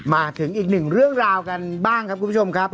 มาถึงอีกหนึ่งเรื่องราวกันบ้างครับคุณผู้ชมครับ